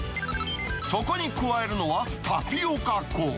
そこに加えるのはタピオカ粉。